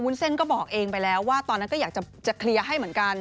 เส้นก็บอกเองไปแล้วว่าตอนนั้นก็อยากจะเคลียร์ให้เหมือนกัน